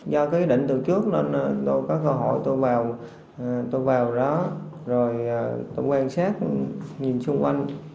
do cái ý định từ trước tôi có cơ hội tôi vào đó tôi quan sát nhìn xung quanh